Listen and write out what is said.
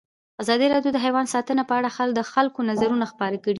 ازادي راډیو د حیوان ساتنه په اړه د خلکو نظرونه خپاره کړي.